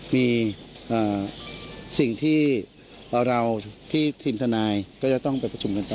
มีสิ่งที่เราที่ทีมทนายก็จะต้องไปประชุมกันต่อ